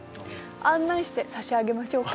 案内してさしあげましょうか？